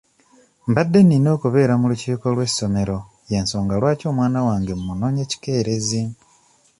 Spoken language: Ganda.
Mbadde nina okubeera mu lukiiko lw'essomero y'ensonga lwaki omwana wange mmunonye kikeerezi.